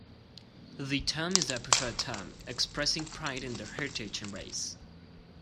The term is their preferred term, expressing pride in their heritage and race.